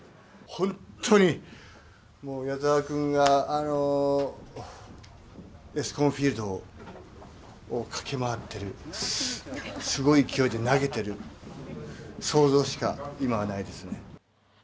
本当に、矢澤君がエスコンフィールドを駆け回っている、すごい勢いで投げている想像しか、今はないですね。